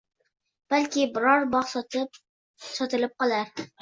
Balki biror bog‘ sotilib qolar